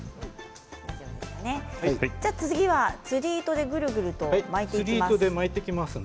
次は釣り糸でぐるぐると巻いていきます。